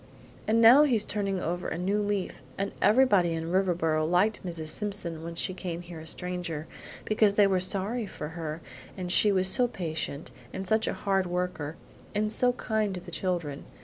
And now he's turning over a new leaf. And everybody in Riverboro liked Mrs. Simpson when she came here a stranger, because they were sorry for her and she was so patient, and such a hard worker, and so kind to the children.